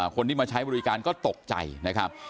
คนที่มาใช้บริการก็ตกใจนะครับ